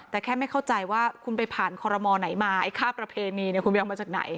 แต่แค่ไม่เข้าใจว่าคุณไปผ่านคอรมอลไหนมาไอ้ค่าประเพณีเนี่ยคุณไปเอามาจากไหน